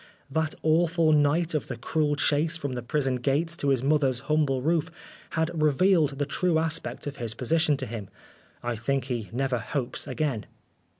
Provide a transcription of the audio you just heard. That awful night of the cruel chase from the prison gates to his mother's humble roof had revealed the true aspect of his position to him. I think he never hopes again.